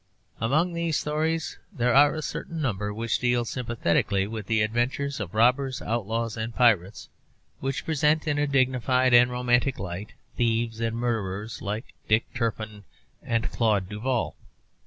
Among these stories there are a certain number which deal sympathetically with the adventures of robbers, outlaws and pirates, which present in a dignified and romantic light thieves and murderers like Dick Turpin and Claude Duval.